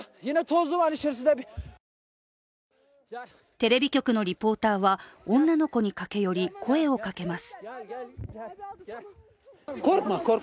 テレビ局のレポーターは女の子に駆け寄り声をかけます。